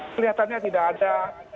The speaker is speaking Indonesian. kelihatannya tidak ada